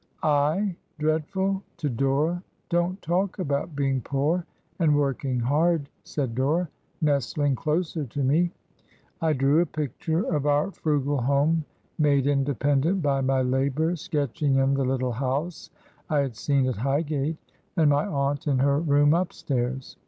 7 dreadful! To Dora! 'Don't talk about being poor and working hard!' said Dora, nestling closer to me. I drew a picture of our frugal home, made independent by my labor — ^sketching in the little house I had seen at Highgate, and my aunt in her room up stairs.